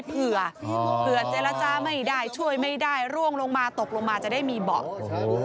เผื่อเจรจาไม่ได้ช่วยไม่ได้ร่วงลงมาตกลงมาจะได้มีเบาะ